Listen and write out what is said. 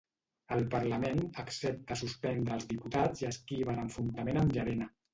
El parlament accepta suspendre els diputats i esquiva l'enfrontament amb Llarena.